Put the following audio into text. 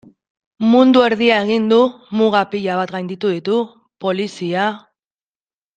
Mundu erdia egin du, muga pila bat gainditu ditu, polizia...